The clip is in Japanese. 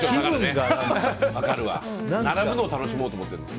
並ぶのを楽しもうと思ってる。